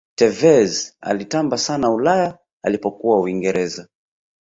tevez alitamba sana ulaya alipokuwa uingereza